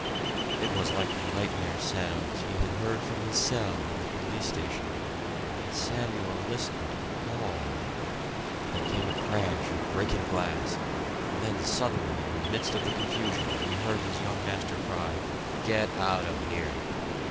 It was like the nightmare sounds he had heard from his cell in the police station, and Samuel listened appalled. There came a crash of breaking glass; and then suddenly, in the midst of the confusion, he heard his young master cry, "Get out of here!"